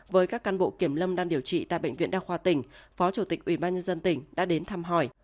với các cán bộ kiểm lâm đang điều trị tại bệnh viện đa khoa tỉnh phó chủ tịch ubnd tỉnh đã đến thăm hỏi